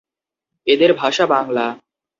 এঁদের ভাষা বাংলা।